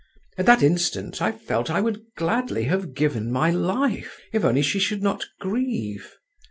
At that instant I felt I would gladly have given my life, if only she should not grieve.